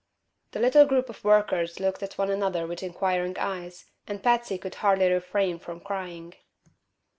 The little group of workers looked at one another with inquiring eyes, and Patsy could hardly refrain from crying.